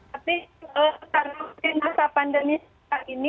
tapi tantangannya saya sendiri itu minyak masih pelanggan banget yang sangat memihati kain endek